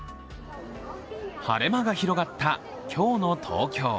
晴れ間が広がった今日の東京。